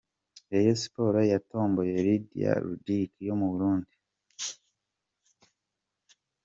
Rayon Sports yatomboye Lydia Ludic yo mu Burundi.